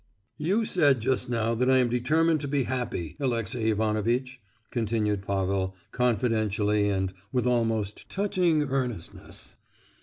"You said just now that I am determined to be happy, Alexey Ivanovitch," continued Pavel, confidentially, and with almost touching earnestness.